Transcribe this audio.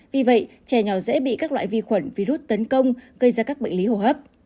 vì vậy trẻ nhỏ dễ bị các loại vi khuẩn virus tấn công gây ra các bệnh lý hô hấp